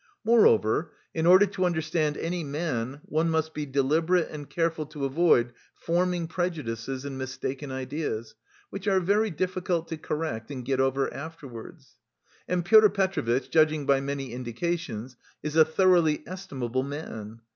Moreover, in order to understand any man one must be deliberate and careful to avoid forming prejudices and mistaken ideas, which are very difficult to correct and get over afterwards. And Pyotr Petrovitch, judging by many indications, is a thoroughly estimable man.